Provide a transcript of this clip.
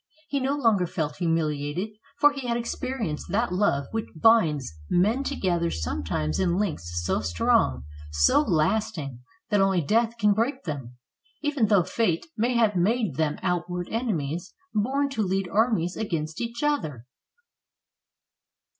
He no longer felt humiHated, for he had experienced that love which binds men together some times in links so strong, so lasting, that only death can break them, even though fate may have made them out ward enemies, born to lead armies against each other.